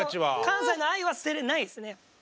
関西の愛は捨てれないですね。